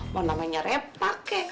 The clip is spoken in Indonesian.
mau namanya repa kek